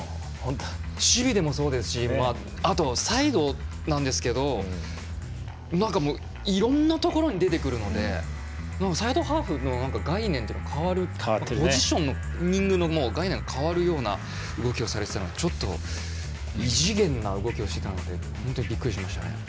守備でもそうですしあとサイドなんですけどいろんなところに出てくるのでサイドハーフの概念が変わるというかポジショニングの概念が変わるような動きをされていたのがちょっと異次元な動きをしていたので本当にびっくりしましたね。